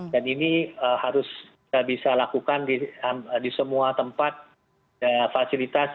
dan ini harus bisa dilakukan di semua tempat fasilitas